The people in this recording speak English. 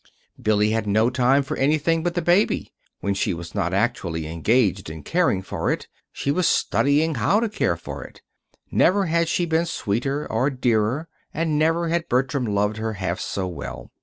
Billy had no time for anything but the baby. When she was not actually engaged in caring for it, she was studying how to care for it. Never had she been sweeter or dearer, and never had Bertram loved her half so well.